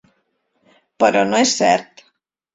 Però no és cert.